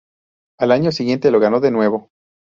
Al año siguiente lo ganó de nuevo..